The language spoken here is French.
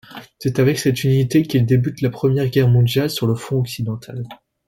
C'est avec cette unité qu'il débute la Première Guerre mondiale sur le front occidental.